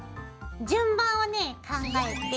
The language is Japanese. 順番をね考えて。